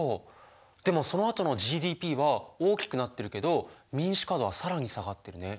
でもそのあとのＧＤＰは大きくなってるけど民主化度は更に下がってるね。